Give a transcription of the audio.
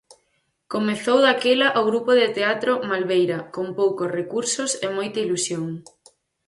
Comezou daquela o grupo de teatro "Malveira", con poucos recursos e moita ilusión.